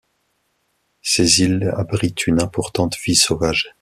Ces îles abritent une importante vie sauvage.